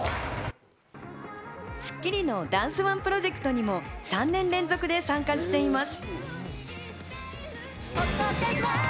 『スッキリ』のダンスＯＮＥプロジェクトにも３年連続で参加しています。